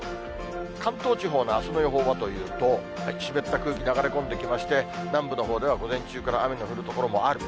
関東地方のあすの予報はというと、湿った空気、流れ込んできまして、南部のほうでは午前中から雨が降る所もある。